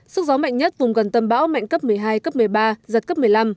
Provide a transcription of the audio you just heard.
sức gió mạnh nhất vùng gần tâm bão mạnh cấp một mươi hai cấp một mươi ba giật cấp một mươi năm